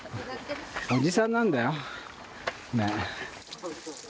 おじさんなんだよ。ねぇ。